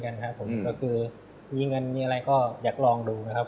ก็คือมีเงินมีอะไรก็อยากลองดูนะครับผม